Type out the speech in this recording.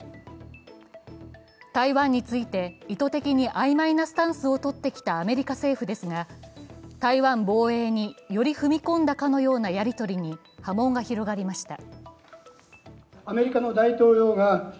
台湾について意図的に曖昧なスタンスをとってきたアメリカ政府ですが台湾防衛により踏み込んだかのようなやりとりに、波紋が広がりました。